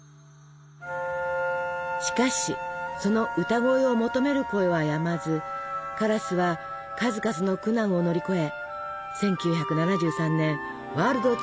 しかしその歌声を求める声はやまずカラスは数々の苦難を乗り越え１９７３年ワールドツアーを開催。